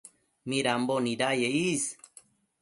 midambo nidaye is